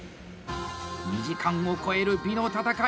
２時間を超える「美の戦い」